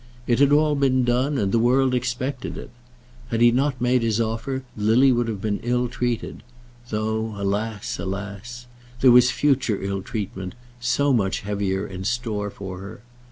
It had all been done, and the world expected it. Had he not made his offer, Lily would have been ill treated; though, alas, alas, there was future ill treatment, so much heavier, in store for her!